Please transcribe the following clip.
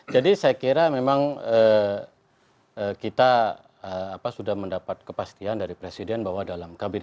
jadi saya kira memang kita sudah mendapat kepastian dari presiden bahwa dalam kabinet